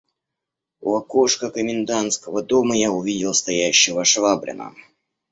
У окошка комендантского дома я увидел стоящего Швабрина.